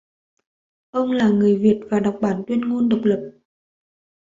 Ông là người viết và đọc bản Tuyên ngôn Độc lập